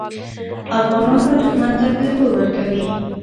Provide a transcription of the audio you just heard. افغانان به دښمن ته پېغور ورکوي.